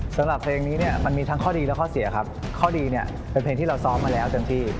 สำหรับเพลงนี้เนี่ยมันมีทั้งข้อดีและข้อเสียครับข้อดีเนี่ยเป็นเพลงที่เราซ้อมมาแล้วเต็มที่